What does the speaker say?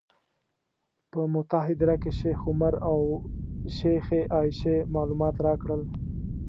په موته هدیره کې شیخ عمر او شیخې عایشې معلومات راکړل.